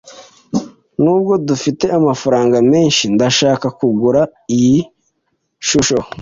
Nubwo tudafite amafaranga menshi, ndashaka kugura iyi shusho.